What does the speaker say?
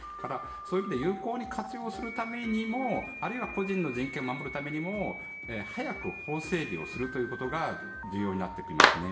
そういう意味で有効に活用するためにもあるいは個人の人権を守るためにも早く法整備をするということが重要になってきますね。